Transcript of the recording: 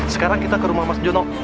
sekarang kita ke rumah mas jono